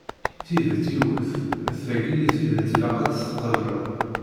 Tidet yiwet, d tagi i d tidet ilaq ad tt-tqebleḍ.